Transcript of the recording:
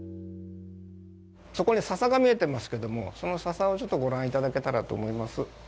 そこに笹が見えてますけども、その笹をちょっとご覧いただけたらと思います。